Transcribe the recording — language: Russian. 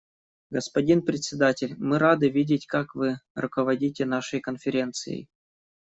Господин Председатель, мы рады видеть, как вы руководите нашей Конференцией.